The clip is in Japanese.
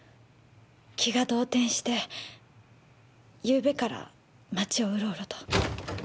気が動転してゆうべから街をうろうろと。